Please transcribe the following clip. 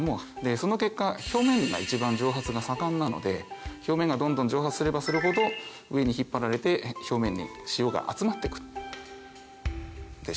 その結果表面が一番蒸発が盛んなので表面がどんどん蒸発すればするほど上に引っ張られて表面に塩が集まって来る。